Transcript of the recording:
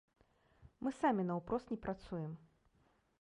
Мы самі наўпрост не працуем.